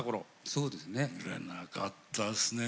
そうですね。